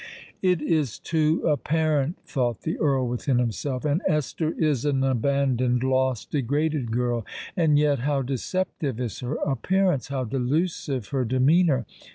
"It is too apparent!" thought the Earl within himself: "and Esther is an abandoned—lost—degraded girl! And yet how deceptive is her appearance—how delusive her demeanour!